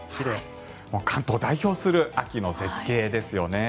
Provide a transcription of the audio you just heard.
関東を代表する秋の絶景ですよね。